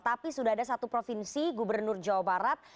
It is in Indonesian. tapi sudah ada satu provinsi gubernur jawa barat